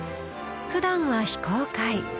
ふだんは非公開。